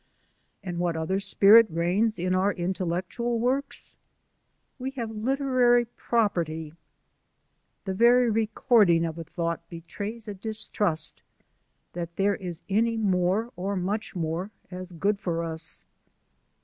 And what other sj)irit reigns in our intellectual works? We have literary property. The very recording of a thought betrays a dis trust that there is any more, or much more, as good for us.